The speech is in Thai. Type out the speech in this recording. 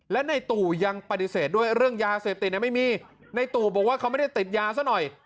และในตู่ยังปฏิเสธด้วยเรื่องยาเสพติดไม่มีในตู่บอกว่าเขาไม่ได้ติดยาซะหน่อย